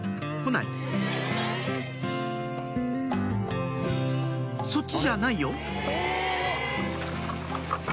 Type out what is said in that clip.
来ないそっちじゃないよ？